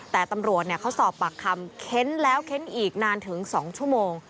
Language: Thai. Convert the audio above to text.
แต่ตำรวจเขาสอบปากคำเค้นแล้วเค้นอีกนานถึง๒ชั่วโมง